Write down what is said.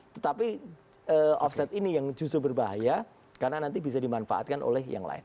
tetapi offset ini yang justru berbahaya karena nanti bisa dimanfaatkan oleh yang lain